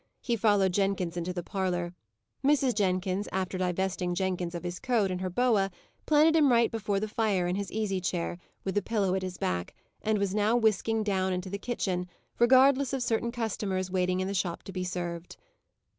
He followed Jenkins into the parlour. Mrs. Jenkins, after divesting Jenkins of his coat, and her boa, planted him right before the fire in his easy chair, with a pillow at his back, and was now whisking down into the kitchen, regardless of certain customers waiting in the shop to be served.